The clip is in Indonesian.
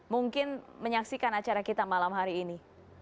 mungkin menyaksikan acara kita malam hari ini